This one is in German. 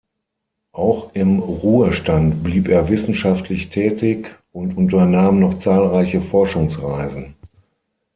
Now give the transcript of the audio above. Auch im Ruhestand blieb er wissenschaftlich tätig und unternahm noch zahlreiche Forschungsreisen.